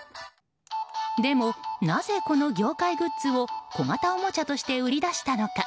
でも、なぜこの業界グッズを小型おもちゃとして売り出したのか。